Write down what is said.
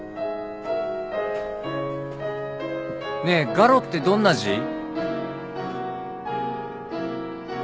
ねえ「ガロ」ってどんな字？